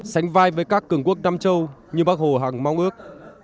sánh vai với các cường quốc nam châu như bác hồ hằng mong ước